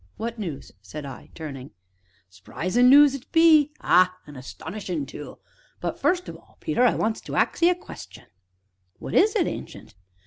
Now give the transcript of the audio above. "What news?" said I, turning. "S'prisin' noos it be ah! an' 'stonishin' tu. But first of all, Peter, I wants to ax 'ee a question." "What is it, Ancient?"